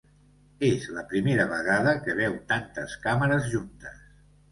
És la primera vegada que veu tantes càmeres juntes.